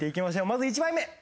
まず１枚目。